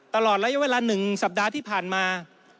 ตลอดระยะเวลา๑สัปดาห์ที่ผ่านมา